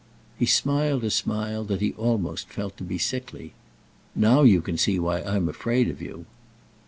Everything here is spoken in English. He smiled a smile that he almost felt to be sickly. "Now you can see why I'm afraid of you."